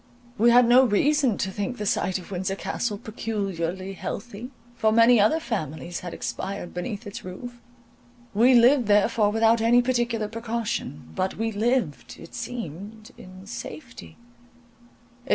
We had no reason to think the site of Windsor Castle peculiarly healthy, for many other families had expired beneath its roof; we lived therefore without any particular precaution; but we lived, it seemed, in safety.